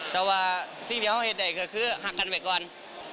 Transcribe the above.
แต่ว่าสิ่งที่เขาเห็นได้ก็คือหักกันไว้ก่อน